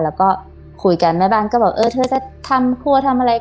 แล้วก็คุยกันแม่บ้านก็บอกเออเธอจะทำครัวทำอะไร